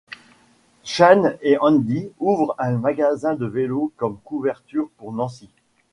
Shane et Andy ouvre un magasin de vélo comme couverture pour Nancy.